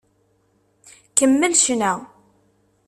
Kemmel ccna!